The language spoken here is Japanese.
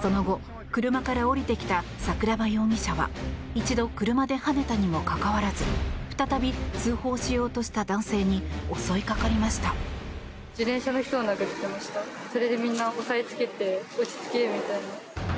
その後、車から降りてきた桜庭容疑者は一度、車ではねたにもかかわらず再び通報しようとした男性に襲いかかりました。